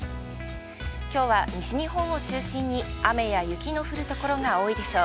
きょうは西日本を中心に雨や雪の降るところが多いでしょう。